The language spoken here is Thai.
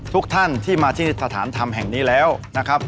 ทุกท่านที่มาที่สถานธรรมแห่งนี้แล้วนะครับ